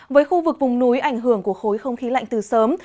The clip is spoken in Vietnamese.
với khu vực vùng núi ảnh hưởng của khối không khí lạnh từ sớm